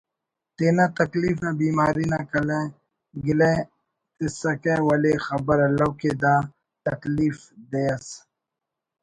تینا تکلیف نا بیماری نا گلہ تسکہ ولے خبر اَلو کہ دا تکلیف دے اس